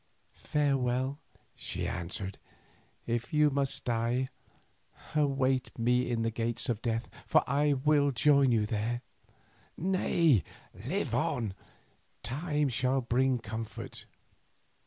"Farewell," she answered; "if you must die, await me in the gates of death, for I will join you there." "Nay, live on. Time shall bring comfort."